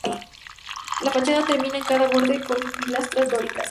La fachada termina en cada borde con pilastras dóricas.